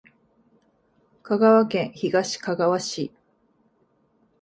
香川県東かがわ市